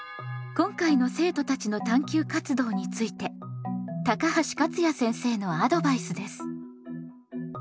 今回の生徒たちの探究活動について高橋勝也先生のアドバイスです。